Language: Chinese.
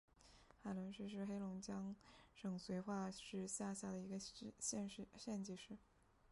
海伦市是黑龙江省绥化市下辖的一个县级市。